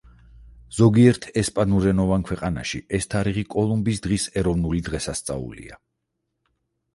ზოგიერთ ესპანურენოვან ქვეყანაში ეს თარიღი კოლუმბის დღის ეროვნული დღესასწაულია.